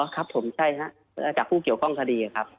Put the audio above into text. ครับผมใช่ครับจากผู้เกี่ยวข้องคดีครับ